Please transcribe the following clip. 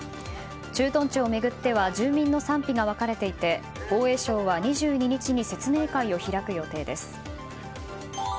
駐屯地を巡っては住民の賛否が分かれていて防衛省は２２日に説明会を開く予定です。